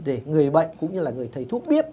để người bệnh cũng như là người thầy thuốc biết